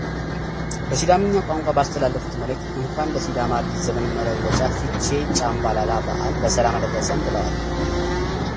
በሲዳሚኛ ቋንቋ ባስተላለፉት መልዕክት እንኳን ለሲዳማ አዲስ ዘመን መለወጫ ፊቼ ጫምባላላ በዓል በሰላም አደረሰን ብለዋል።